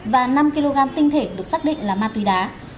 và năm kg tinh thể được xác định là ma túy đá